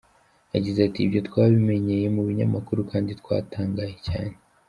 Yagize ati “ Ibyo twabimenyeye mu binyamakuru kandi twatangaye cyane.